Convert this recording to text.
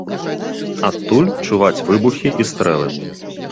Адтуль чуваць выбухі і стрэлы.